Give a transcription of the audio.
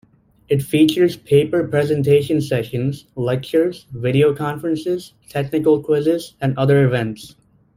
It features paper presentation sessions, lectures, video conferences, technical quizzes and other events.